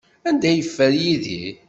Anda ay yeffer Yidir?